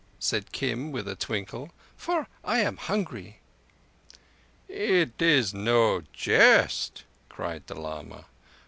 said Kim, with a twinkle. "For I am hungry." "It is no jest," cried the lama.